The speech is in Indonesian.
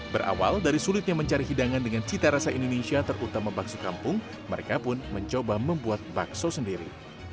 berawal dari sulitnya mencari hidangan dengan cita rasa indonesia terutama bakso kampung mereka pun mencoba membuat bakso sendiri